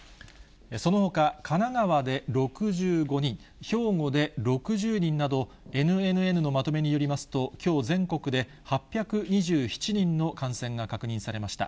そのほか神奈川で６５人、兵庫で６０人など、ＮＮＮのまとめによりますと、きょう、全国で８２７人の感染が確認されました。